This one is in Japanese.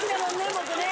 僕ね。